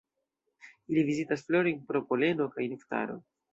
Ili vizitas florojn pro poleno kaj nektaro.